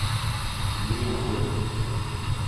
Ar muiañ ar gwellañ.